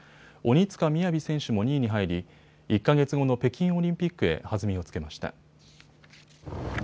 鬼塚雅選手も２位に入り１か月後の北京オリンピックへ弾みをつけました。